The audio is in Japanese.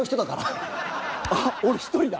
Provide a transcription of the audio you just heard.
あっ俺１人だ。